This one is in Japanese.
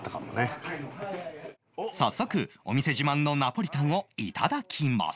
早速お店自慢のナポリタンをいただきます